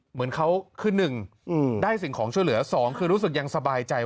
เหมือนเขาคือ๑ได้สิ่งของช่วยเหลือ๒คือรู้สึกยังสบายใจ